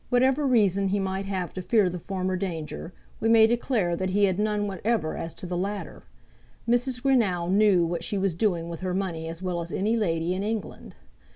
Whatever reason he might have to fear the former danger, we may declare that he had none whatever as to the latter. Mrs. Greenow knew what she was doing with her money as well as any lady in England.